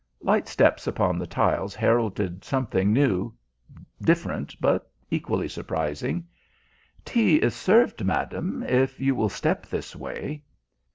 Light steps upon the tiles heralded something new different, but equally surprising. "Tea is served, madam, if you will step this way."